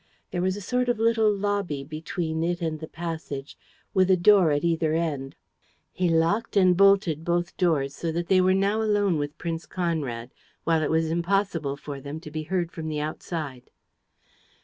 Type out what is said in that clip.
There was a sort of little lobby between it and the passage, with a door at either end. He locked and bolted both doors, so that they were now alone with Prince Conrad, while it was impossible for them to be heard from the outside.